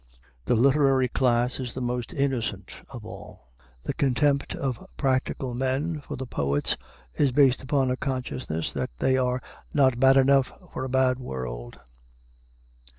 The literary class is the most innocent of all. The contempt of practical men for the poets is based upon a consciousness that they are not bad enough for a bad world.